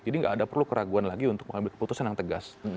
jadi tidak perlu keraguan lagi untuk mengambil keputusan yang tegas